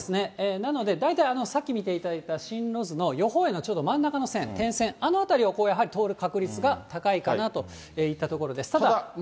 なので、大体、さっき見ていただいた進路図の予報円のちょうど真ん中の線、点線、あの辺りをやはり通る確率が高いかなといったところです。